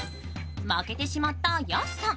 負けてしまった安さん。